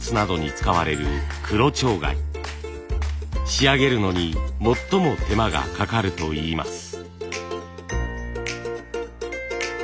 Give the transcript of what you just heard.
仕上げるのに最も手間がかかるといいます。